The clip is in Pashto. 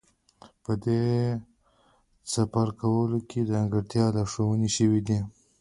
په دې څپرکو کې ځانګړې لارښوونې شوې دي.